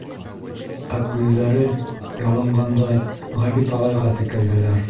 Ә күҙҙәре, ялынғандай, Ғәбит ағайға текәлделәр.